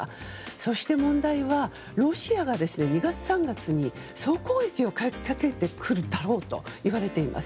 そして問題はロシアが２月、３月に総攻撃をかけてくるだろうといわれています。